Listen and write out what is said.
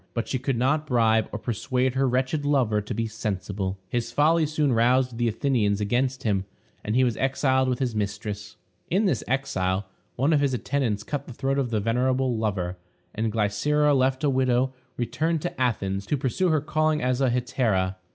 But she could not bribe or persuade her wretched lover to be sensible; his folly soon roused the Athenians against him, and he was exiled with his mistress. In this exile, one of his attendants cut the throat of the venerable lover, and Glycera, left a widow, returned to Athens to pursue her calling as a hetaira.